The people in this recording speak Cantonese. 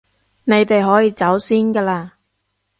你哋可以走先㗎喇